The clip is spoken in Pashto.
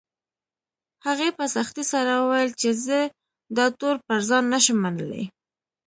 هغې په سختۍ سره وويل چې زه دا تور پر ځان نه شم منلی